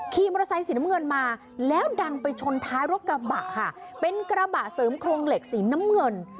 ขี่มอเตอร์ไซสีน้ำเงินมาแล้วดันไปชนท้ายรถกระบะค่ะเป็นกระบะเสริมโครงเหล็กสีน้ำเงิน